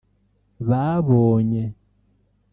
babonye